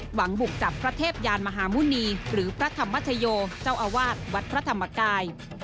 หวังบุกจับพระเทพยานมหาหมุณีหรือพระธรรมชโยเจ้าอาวาสวัดพระธรรมกาย